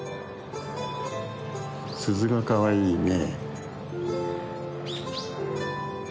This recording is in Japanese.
鈴がかわいいね。